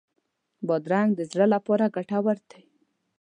بادرنګ د زړه لپاره ګټور دی.